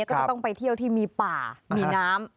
ก็จะต้องไปเที่ยวที่มีป่ามีน้ำ